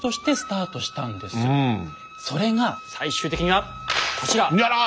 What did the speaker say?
それが最終的にはこちら。